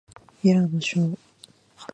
平野紫耀